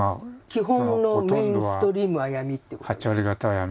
基本のメインストリームは闇っていうこと。